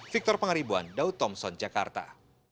victor pangaribuan daud thompson jakarta